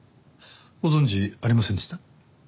ご存じありませんでした？